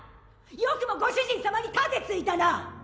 よくもご主人様に盾突いたな！